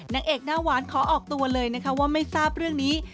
นางเอกหน้าหวานขอออกตัวเลยนะคะว่าไม่ทราบเรื่องนี้